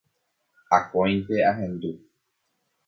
Akóinte ahendu